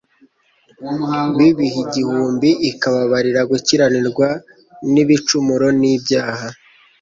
b'ibihe igihumbi ikababarira gukiranirwa n'ibicumuro n'ibyaha"